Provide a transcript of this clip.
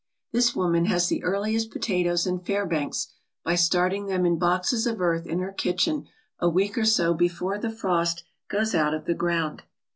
This woman has the earliest potatoes in Fair banks by starting them in boxes of earth in her kitchen a week or so before the frost goes out of the ground.